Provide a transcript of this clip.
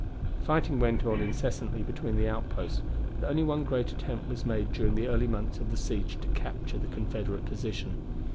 Fighting went on incessantly between the outposts, but only one great attempt was made during the early months of the siege to capture the Confederate position.